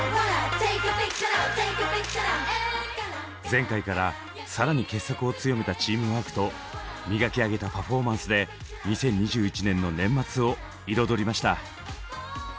前回から更に結束を強めたチームワークと磨き上げたパフォーマンスで２０２１年の年末を彩りました。